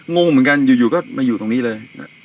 งงเหมือนกันอยู่ก็มาอยู่ตรงนี้เลย